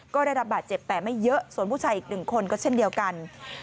ก็ได้รับบาดเจ็บแต่ไม่เยอะส่วนผู้ชายอีกหนึ่งคนก็เช่นเดียวกัน